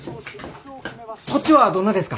こっちはどんなですか？